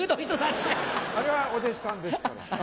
あれはお弟子さんですから。